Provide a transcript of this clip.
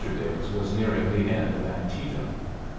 Diggs was nearing the end of Antietam.